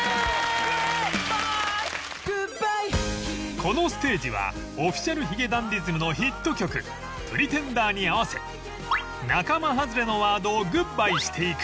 このステージは Ｏｆｆｉｃｉａｌ 髭男 ｄｉｓｍ のヒット曲『Ｐｒｅｔｅｎｄｅｒ』に合わせ仲間外れのワードをグッバイしていく